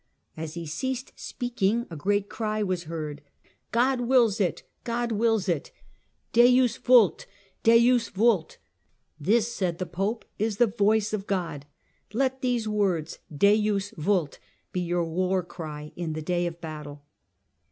As he ceased speaking a great cry was heard :" God wills it: God wills it" (Beus vult .' Deus vult). "This," said the Pope, " is the voice of God. Let these words, Deics vult, be your war cry in the day of battle."